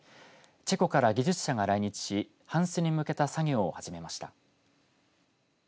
チェコから技術者が来日し搬出に向けた作業を始めました。